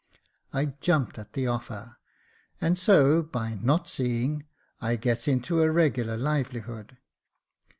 I jumped at the offer, and so, by not seeing, I gets into a regular livelihood.